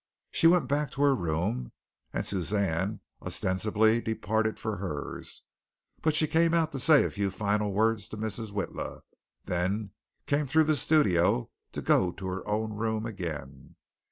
She went back to her room, and Suzanne ostensibly departed for hers. She came out to say a few final words to Mrs. Witla, then came through the studio to go to her own room again.